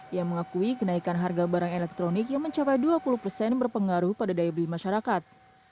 ia mengakui kenaikan harga barang elektronik yang mencapai dua puluh persen berpengaruh pada daya beli masyarakat